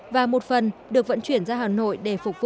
và một phần được vận chuyển ra hà nội để phục vụ